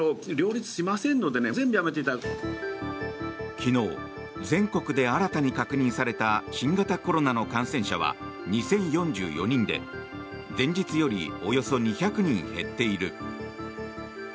昨日、全国で新たに確認された新型コロナの感染者は２０４４人で前日よりおよそ２００人減っている。